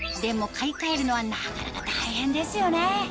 買い替えるのはなかなか大変ですよね